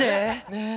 ねえ。